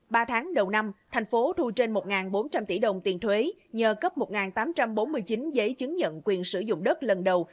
ba tháng đầu năm thành phố thu trên một bốn trăm linh tỷ đồng tiền thuế nhờ cấp một tám trăm bốn mươi chín giấy chứng nhận quyền sử dụng đất lần đầu